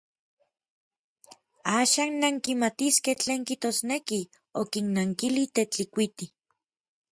Axan nankimatiskej tlen kijtosneki, okinnankili Tetlikuiti.